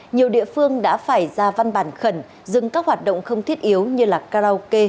nhiều địa phương đã phải ra văn bản khẩn dừng các hoạt động không thiết yếu như là karaoke